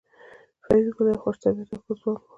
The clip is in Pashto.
فریدګل یو خوش طبیعته او ښه ځوان و